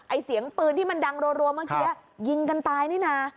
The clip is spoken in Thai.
เสียงปืนที่มันดังรัวเมื่อกี้ยิงกันตายนี่นะ